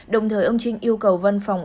đồng thời ông trinh yêu cầu văn phòng